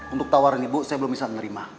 untuk tawaran ibu saya belum bisa menerima